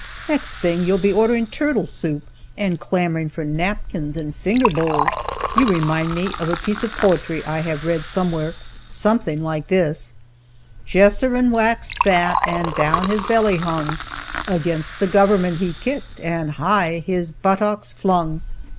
Next thing you'll be ordering turtle soup and clamoring for napkins and finger bowls. You remind me of a piece of poetry I have read somewhere, something like this: 'Jeshurun waxed fat, And down his belly hung, Against the government he kicked, And high his buttocks flung'."